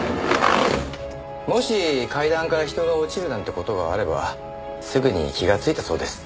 もし階段から人が落ちるなんて事があればすぐに気がついたそうです。